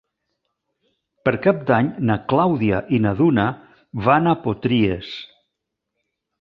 Per Cap d'Any na Clàudia i na Duna van a Potries.